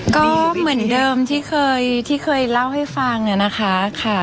ก็เหมือนเดิมที่เคยเล่าให้ฟังเนี่ยนะคะ